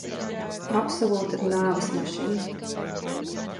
Absolūta nāves mašīna.